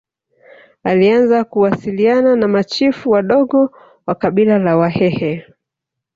Alianza kuwasiliana na machifu wadogo wa kabila la Wahehe